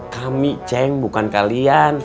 kami ceng bukan kalian